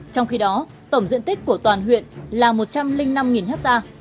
trong khi đó tổng diện tích của toàn huyện là một trăm linh năm ha